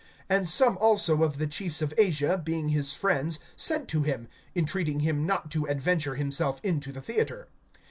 (31)And some also of the chiefs of Asia, being his friends, sent to him, entreating him not to adventure himself into the theatre.